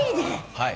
はい。